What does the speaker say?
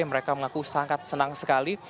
mereka mengaku sangat senang sekali